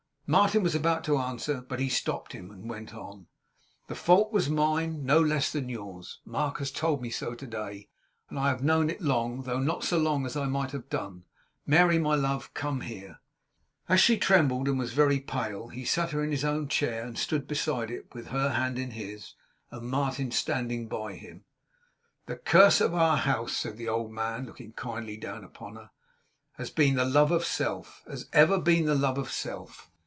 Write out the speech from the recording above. Martin was about to answer, but he stopped him, and went on. 'The fault was mine no less than yours. Mark has told me so today, and I have known it long; though not so long as I might have done. Mary, my love, come here.' As she trembled and was very pale, he sat her in his own chair, and stood beside it with her hand in his; and Martin standing by him. 'The curse of our house,' said the old man, looking kindly down upon her, 'has been the love of self; has ever been the love of self.